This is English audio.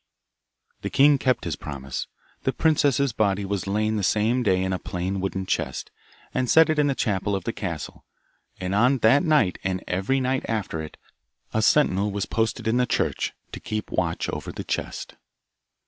The king kept his promise. The princess's body was lain the same day in a plain wooden chest, and set in the chapel of the castle, and on that night and every night after it, a sentinel was posted in the church, to keep watch over the chest.